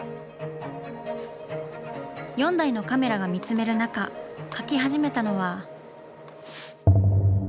４台のカメラが見つめる中描き始めたのは。